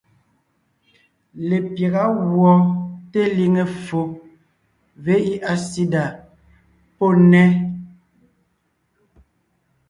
Lepyága gùɔ teliŋe ffo (VIH/SIDA) pɔ́ nnέ,